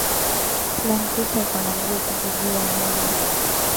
Land cruser iko na mbio kuzidia noah